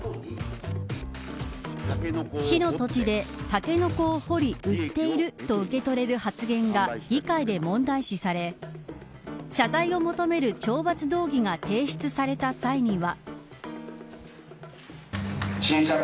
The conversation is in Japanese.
市の土地でタケノコを掘り売っていると受け取れる発言が議会で問題視され謝罪を求める懲罰動議が提出された際には。